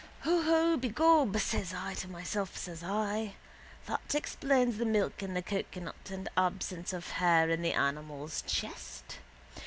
Hoho begob says I to myself says I. That explains the milk in the cocoanut and absence of hair on the animal's chest.